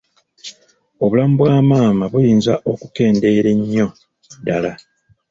Obulamu bwa maama buyinza okukendeera ennyo ddala.